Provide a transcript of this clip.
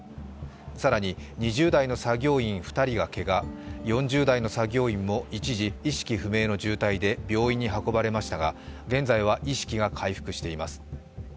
更に、２０代の作業員２人がけが、４０代の作業員も一時意識不明の重体で病院に運ばれましたが現在は意識が回復しています。